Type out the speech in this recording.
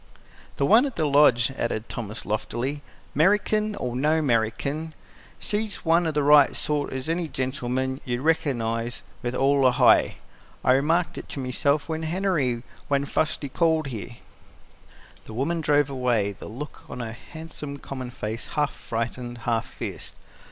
"The one at the Lodge," added Thomas loftily, "'Merican or no 'Merican, she's one o' the right sort, as any gentleman 'u'd reckinize with all a heye. I remarked it myself to Henery when fust we called there." The woman drove away; the look on her handsome, common face half frightened, half fierce.